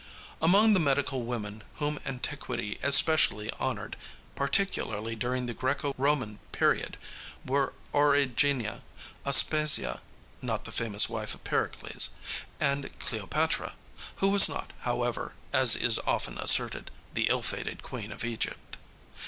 Among the medical women whom antiquity especially honored, particularly during the Greco Roman period, were Origenia, Aspasia not the famous wife of Pericles and Cleopatra, who was not, however, as is often asserted, the ill fated queen of Egypt.